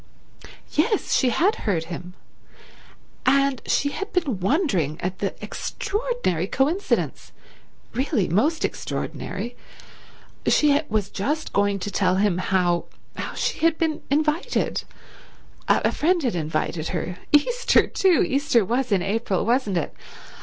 Yes, she had heard him, and she had been wondering at the extraordinary coincidence—really most extraordinary—she was just going to tell him how—how she had been invited—a friend had invited her—Easter, too—Easter was in April, wasn't it?